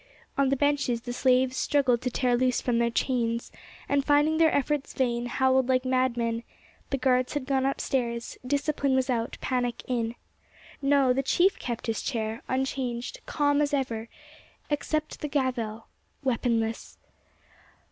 On the benches, the slaves struggled to tear loose from their chains, and, finding their efforts vain, howled like madmen; the guards had gone upstairs; discipline was out, panic in. No, the chief kept his chair, unchanged, calm as ever—except the gavel, weaponless.